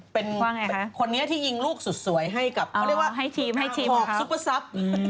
เป็นคนนี้ที่ยิงลูกสุดสวยให้กับเขาเรียกว่าขอกซุปเปอร์ซับ